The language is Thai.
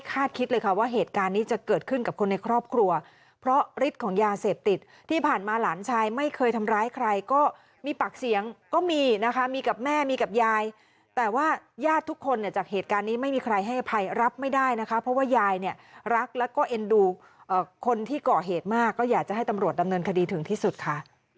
กับยายแต่ว่าญาติทุกคนเนี่ยจากเหตุการณ์นี้ไม่มีใครให้อภัยรับไม่ได้นะคะเพราะว่ายายเนี่ยรักแล้วก็เอ็นดูคนที่เกาะเหตุมากก็อยากจะให้ตำรวจดำเนินคดีถึงที่สุดค่ะ